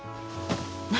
何？